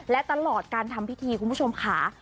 และตลอดการทำพิธีคุณผู้ชมค่ะ